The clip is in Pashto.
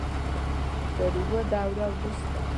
تر اوو دورو وروسته.